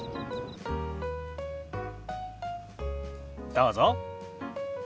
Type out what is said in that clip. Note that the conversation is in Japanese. どうぞ。